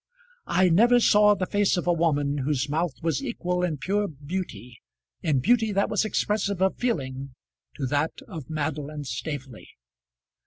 I never saw the face of a woman whose mouth was equal in pure beauty, in beauty that was expressive of feeling, to that of Madeline Staveley.